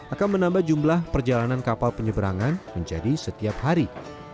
akan menambah jumlah perjalanan kapal penyeberangan menjadi setiap hari